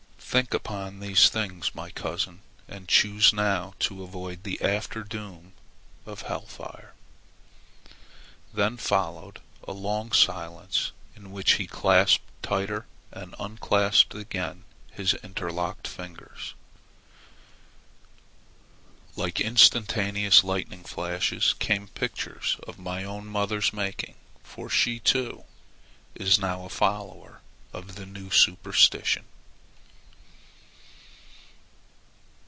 "Think upon these things, my cousin, and choose now to avoid the after doom of hell fire!" Then followed a long silence in which he clasped tighter and unclasped again his interlocked fingers. Like instantaneous lightning flashes came pictures of my own mother's making, for she, too, is now a follower of the new superstition.